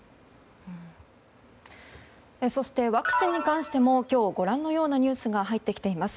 そしてワクチンに関しても今日ご覧のようなニュースが入ってきています。